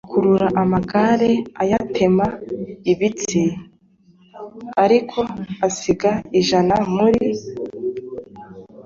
akurura amagare ayatema ibitsi l ariko asigaza ijana muri